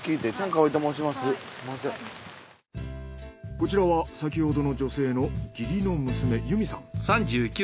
こちらは先ほどの女性の義理の娘裕美さん。